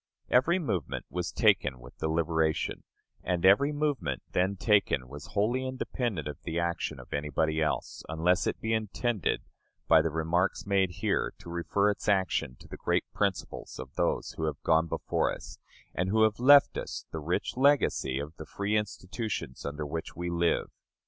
Every movement was taken with deliberation, and every movement then taken was wholly independent of the action of anybody else; unless it be intended, by the remarks made here, to refer its action to the great principles of those who have gone before us, and who have left us the rich legacy of the free institutions under which we live.